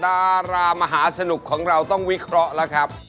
ดารามหาสนุกของเราต้องวิเคราะห์แล้วครับ